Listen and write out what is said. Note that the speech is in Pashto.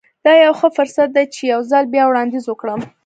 دا يو ښه فرصت دی چې يو ځل بيا وړانديز وکړم.